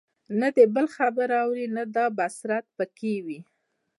نه د بل خبره اوري او نه دا بصيرت په كي وي